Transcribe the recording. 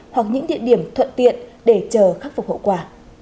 hoặc những địa điểm thuận tiện để chờ khắc phục hậu quả